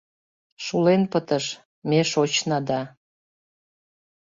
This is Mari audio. Шулен пытыш, Ме шочна, да